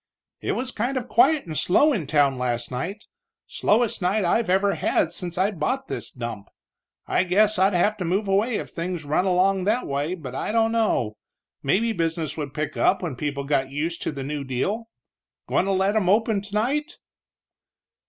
"It was kind of quiet and slow in town last night, slowest night I've ever had since I bought this dump. I guess I'd have to move away if things run along that way, but I don't know. Maybe business would pick up when people got used to the new deal. Goin' to let 'em open tonight?"